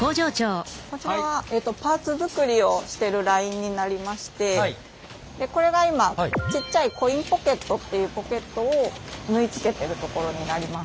こちらはパーツ作りをしてるラインになりましてこれが今ちっちゃいコインポケットっていうポケットを縫いつけてるところになります。